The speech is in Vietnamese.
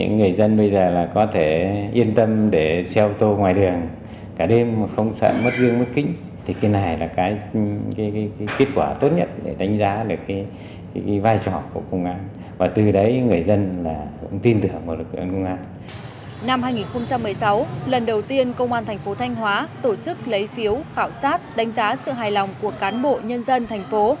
năm hai nghìn một mươi sáu lần đầu tiên công an thành phố thanh hóa tổ chức lấy phiếu khảo sát đánh giá sự hài lòng của cán bộ nhân dân thành phố